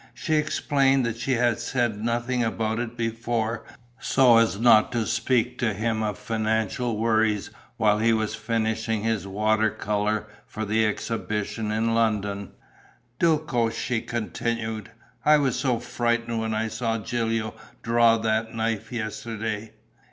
She explained that she had said nothing about it before, so as not to speak to him of financial worries while he was finishing his water colour for the exhibition in London: "Duco," she continued, "I was so frightened when I saw Gilio draw that knife yesterday.